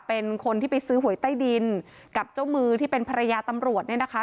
เป็นคนที่ไปซื้อหวยใต้ดินกับเจ้ามือที่เป็นภรรยาตำรวจเนี่ยนะคะ